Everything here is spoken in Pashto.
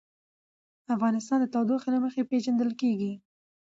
افغانستان د تودوخه له مخې پېژندل کېږي.